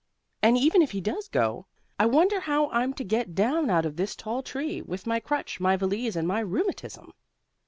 And, even if he does go, I wonder how I'm to get down out of this tall tree, with my crutch, my valise and my rheumatism?"